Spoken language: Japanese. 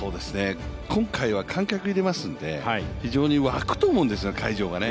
今回は観客がいるので、非常に沸くと思うんですよね、会場がね。